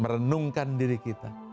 merenungkan diri kita